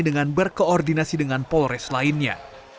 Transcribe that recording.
dengan berkoordinasi dengan polres lainnya